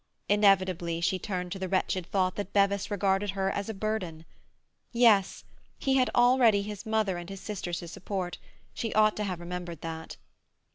Inevitably she turned to the wretched thought that Bevis regarded her as a burden. Yes, he had already his mother and his sisters to support; she ought to have remembered that.